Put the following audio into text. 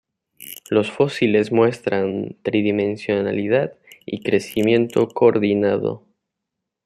Los fósiles muestran tridimensionalidad y crecimiento coordinado.